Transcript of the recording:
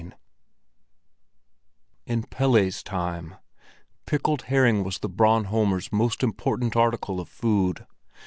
XIV In Pelle's time, pickled herring was the Bornholmer's most important article of food.